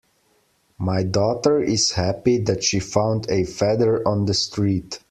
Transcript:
My daughter is happy that she found a feather on the street.